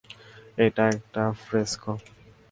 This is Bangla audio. এটা একটা ফ্রেস্কো!